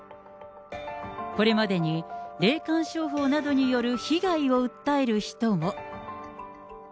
これまでに霊感商法などによる被害を訴える人も。